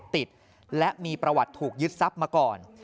ติดและมีประวัติถูกยึดทรัพย์มาก่อน